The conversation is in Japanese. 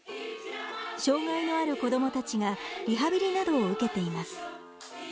障害のある子どもたちがリハビリなどを受けています